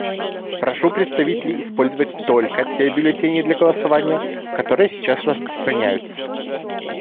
Прошу представителей использовать только те бюллетени для голосования, которые сейчас распространяются.